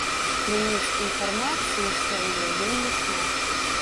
Крыніц інфармацыі сёння вельмі шмат.